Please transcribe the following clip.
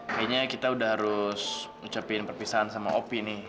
kayaknya kita udah harus ngucapin perpisahan sama opi nih